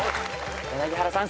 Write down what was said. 柳原さん